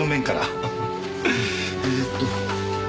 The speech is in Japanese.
えーっと。